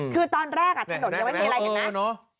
คือตอนแรกถนนยังไม่มีอะไรเห็นไหม